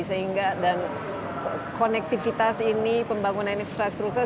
sehingga dan konektivitas ini pembangunan infrastruktur